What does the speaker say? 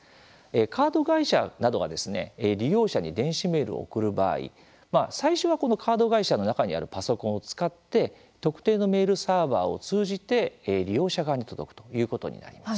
カード会社などが利用者に電子メールを送る場合最初はカード会社の中にあるパソコンを使って特定のメールサーバーを通じて利用者側に届くということになります。